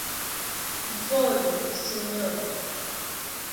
Volu, sinjoro.